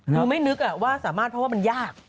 คือไม่นึกว่าสามารถเพราะว่ามันยาก